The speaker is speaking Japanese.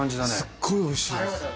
すっごいおいしいです。